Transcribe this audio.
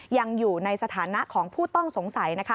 ยังอยู่ในสถานะของผู้ต้องสงสัยนะคะ